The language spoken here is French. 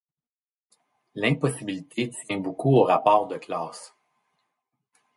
L'impossibilité tient beaucoup au rapport de classes.